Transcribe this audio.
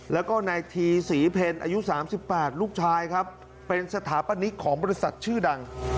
แล้วก็นายทีศรีเพลอายุ๓๘ลูกชายครับเป็นสถาปนิกของบริษัทชื่อดัง